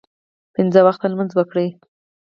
پنځه وخته لمونځ وکړئ